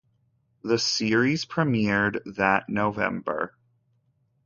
The series premiered that November.